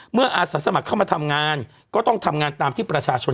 อาสาสมัครเข้ามาทำงานก็ต้องทำงานตามที่ประชาชน